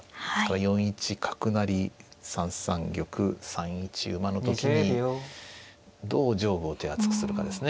４一角成３三玉３一馬の時にどう上部を手厚くするかですね。